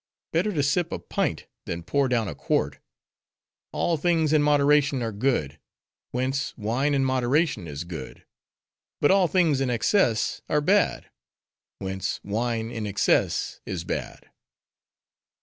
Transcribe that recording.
Better to sip a pint, than pour down a quart. All things in moderation are good; whence, wine in moderation is good. But all things in excess are bad: whence wine in excess is bad."